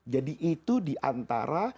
jadi itu diantara